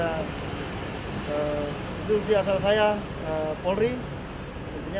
saya siap untuk mempertanggungjawabkan semua perbuatan saya